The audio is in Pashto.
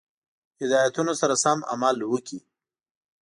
هدایتونو سره سم عمل وکړي.